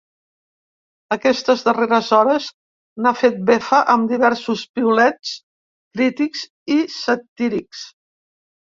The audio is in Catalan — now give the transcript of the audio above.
Aquestes darreres hores n’ha fet befa amb diversos piulets crítics i satírics.